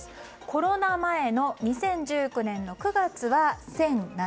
コロナ前の２０１９年の９月は１０７５円。